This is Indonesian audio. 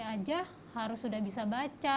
aja harus sudah bisa baca